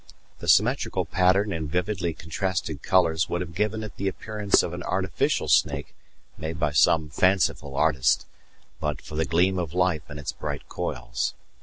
The symmetrical pattern and vividly contrasted colours would have given it the appearance of an artificial snake made by some fanciful artist, but for the gleam of life in its bright coils.